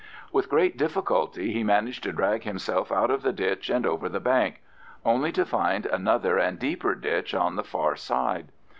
With great difficulty he managed to drag himself out of the ditch and over the bank, only to find another and deeper ditch on the far side.